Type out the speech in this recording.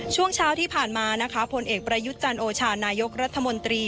ช่วงเช้าที่ผ่านมานะคะผลเอกประยุทธ์จันโอชานายกรัฐมนตรี